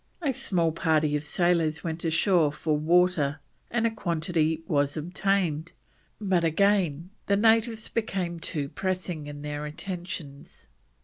A small party of sailors went ashore for water, and a quantity was obtained; but again the natives became too pressing in their attentions.